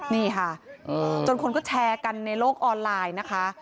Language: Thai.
นี่ค่ะจนคนก็แชร์กันในโลกออนไลน์นะคะ